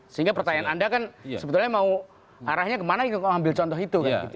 sehingga pertanyaan anda kan sebetulnya mau arahnya kemana kalau ambil contoh itu